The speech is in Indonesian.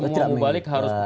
tidak semua mubalik harus